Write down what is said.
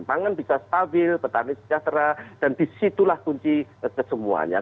pangan bisa stabil petani sejahtera dan disitulah kunci kesemuanya